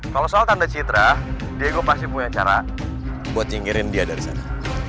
kalau soal tante citra diego pasti punya cara buat sementara dia dari sana